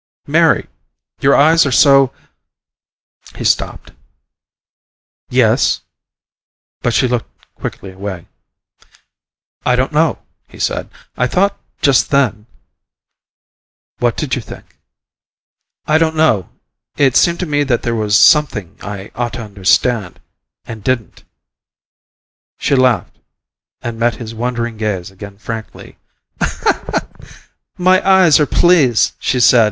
"Mary! Your eyes are so " He stopped. "Yes?" But she looked quickly away. "I don't know," he said. "I thought just then " "What did you think?" "I don't know it seemed to me that there was something I ought to understand and didn't." She laughed and met his wondering gaze again frankly. "My eyes are pleased," she said.